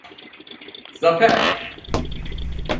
Zafer!